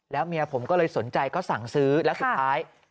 เมียผมก็เลยสนใจก็สั่งซื้อแล้วสุดท้าย